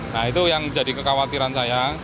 nah itu yang jadi kekhawatiran saya